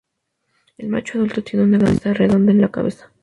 El macho adulto tiene una cresta redonda en la cabeza.